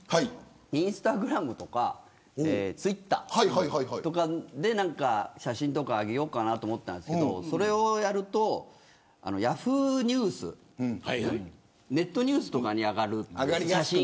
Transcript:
インスタグラムとかツイッターとかで写真とかあげようかなと思ったんですけどそれをやるとネットニュースとかに上がる。